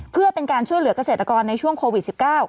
เพื่อเป็นการช่วยเหลือกเกษตรกรในช่วงโควิด๑๙